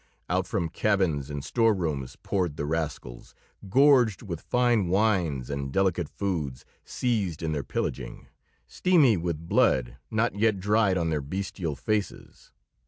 Out from cabins and storerooms poured the rascals, gorged with fine wines and delicate foods seized in their pillaging; steamy with blood not yet dried on their bestial faces.